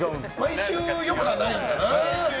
毎週、良くはないんだな。